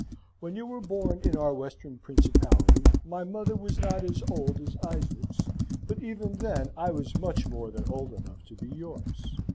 When you were born in our Western Principallitie, my mother was not as old as Isaac's; but even then I was much more than old enough to be yours.